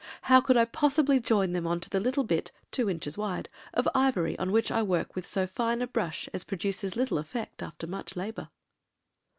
How could I possibly join them on to the little bit (two inches wide) of ivory on which I work with so fine a brush as produces little effect after much labour?"